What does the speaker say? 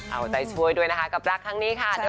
เอาใจช่วยด้วยนะคะกับรักครั้งนี้ค่ะ